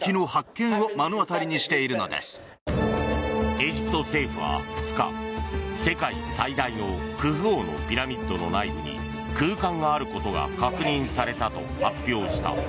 エジプト政府は２日世界最大のクフ王のピラミッドの内部に空間があることが確認されたと発表した。